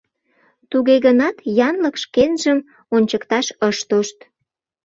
Туге гынат, янлык шкенжым ончыкташ ыш тошт.